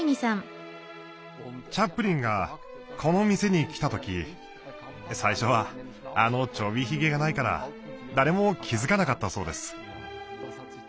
チャップリンがこの店に来た時最初はあのちょびヒゲがないから誰も気付かなかったそうです。